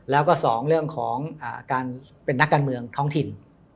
แล้วก็๒เรื่องของการเป็นนักการเมืองท้องถิ่น